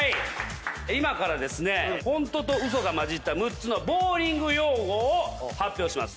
今からホントと嘘が混じった６つのボウリング用語を発表します。